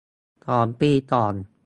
สองปีก่อน